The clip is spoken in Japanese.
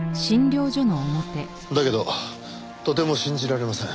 だけどとても信じられません。